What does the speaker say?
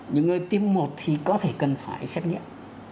những người tiêm một thì có thể cần phải xét nghiệm